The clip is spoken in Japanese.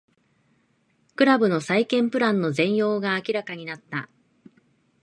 クラブの再建プランの全容が明らかになった